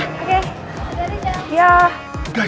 oke sampai jumpa